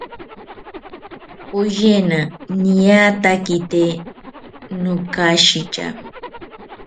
Poyena niatakite nokashitya